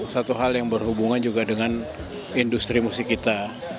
satu hal yang berhubungan juga dengan industri musik kita